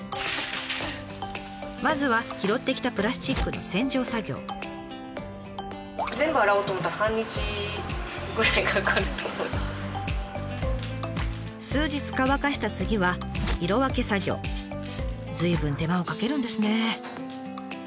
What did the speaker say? まずは拾ってきたプラスチックの数日乾かした次は随分手間をかけるんですね。